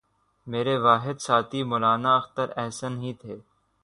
میرے واحد ساتھی مولانا اختر احسن ہی تھے